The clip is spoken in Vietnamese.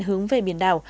hướng về biển đảo